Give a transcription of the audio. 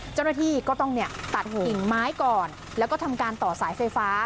เจ้าหน้าที่ก็ต้องตัดกิ่งไม้ก่อนแล้วก็ทำการต่อสายไฟฟ้า